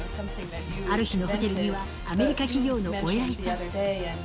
ある日のホテルには、アメリカ企業のお偉いさん。